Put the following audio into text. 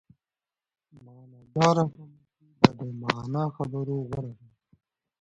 معناداره خاموشي د بې معنا خبرو غوره ده.